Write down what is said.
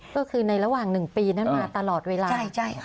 ก็คือในระหว่าง๑ปีนั้นมาตลอดเวลา